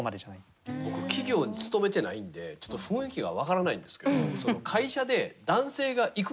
僕企業に勤めてないんでちょっと雰囲気が分からないんですけどまさに聞いてください。